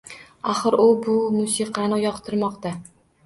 Axir u bu musiqani yoqtirmoqda.